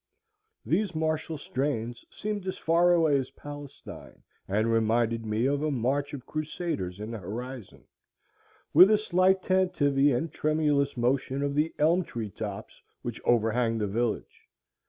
These martial strains seemed as far away as Palestine, and reminded me of a march of crusaders in the horizon, with a slight tantivy and tremulous motion of the elm tree tops which overhang the village.